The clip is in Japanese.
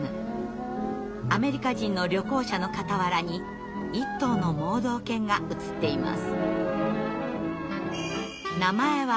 アメリカ人の旅行者の傍らに１頭の盲導犬が映っています。